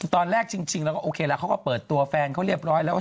ตอนแรกจริงแล้วก็โอเคแล้วเขาก็เปิดตัวแฟนเขาเรียบร้อยแล้ว